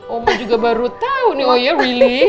oma juga baru tau nih oh ya really